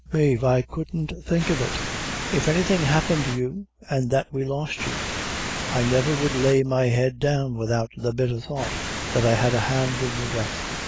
"Mave, I couldn't think of it; if anything happened you, an' that we lost you, I never would lay my head down without the bitther thought that I had a hand in your death."